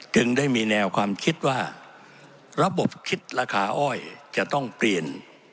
ได้มีแนวความคิดว่าระบบคิดราคาอ้อยจะต้องเปลี่ยน